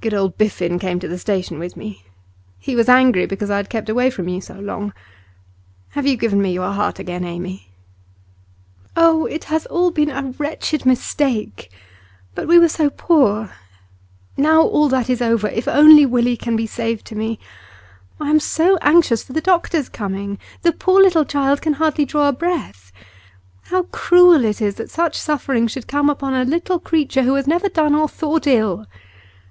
'Good old Biffen came to the station with me. He was angry because I had kept away from you so long. Have you given me your heart again, Amy?' 'Oh, it has all been a wretched mistake! But we were so poor. Now all that is over; if only Willie can be saved to me! I am so anxious for the doctor's coming; the poor little child can hardly draw a breath. How cruel it is that such suffering should come upon a little creature who has never done or thought ill!